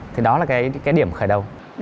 thì đó là cái điểm khởi đầu